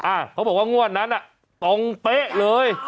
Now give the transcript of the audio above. เขาบอกว่างวดนั้นอ่ะตรงเป๊ะเลย